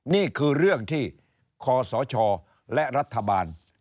นี่คือเรื่องที่คศและรัฐบาล